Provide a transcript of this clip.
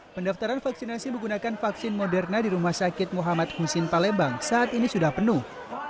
pendaftaran vaksinasi menggunakan vaksin moderna di rumah sakit muhammad husin palembang saat ini sudah penuh